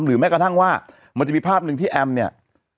แม้กระทั่งว่ามันจะมีภาพหนึ่งที่แอมเนี่ย